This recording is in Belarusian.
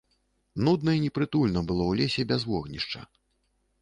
Нудна і непрытульна было ў лесе без вогнішча.